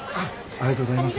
ありがとうございます。